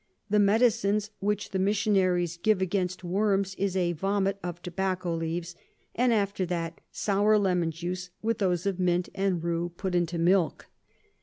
The Medicines which the Missionaries give against Worms, is a Vomit of Tabacco Leaves; and after that, sour Lemon Juice with those of Mint and Rue put into Milk.